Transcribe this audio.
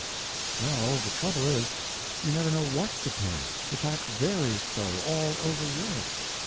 M. Well, the trouble is, you never know what to pay, the tax varies so, all over Europe.